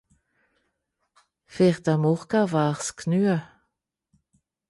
Fer denne Morje wär's genue.